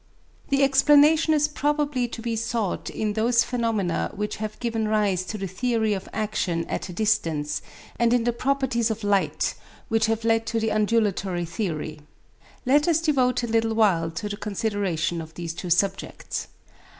The explanation is probably to be sought in those phenomena which have given rise to the theory of action at a distance, and in the properties of light which have led to the undulatory theory. Let us devote a little while to the consideration of these two subjects.